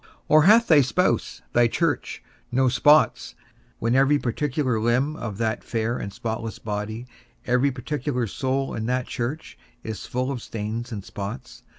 or hath thy spouse, thy church, no spots, when every particular limb of that fair and spotless body, every particular soul in that church, is full of stains and spots?